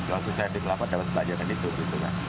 waktu saya di kelapa dapat belajar dari itu hitungan